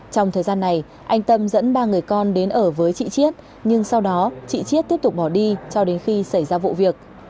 trong thời gian này anh tâm dẫn ba người con đến ở với chị chiết nhưng sau đó chị chiết tiếp tục bỏ đi cho đến khi xảy ra vụ việc